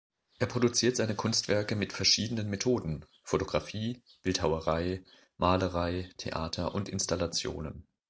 Er produziert seine Kunstwerke mit verschiedenen Methoden: Fotografie, Bildhauerei, Malerei, Theater und Installationen.